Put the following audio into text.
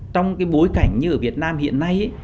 trong cái bối cảnh như ở việt nam hiện nay